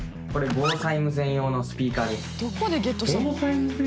防災無線用のスピーカー？